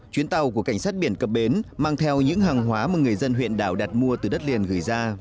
chuyến tàu của cảnh sát biển cập bến mang theo những hàng hóa mà người dân huyện đảo đặt mua từ đất liền gửi ra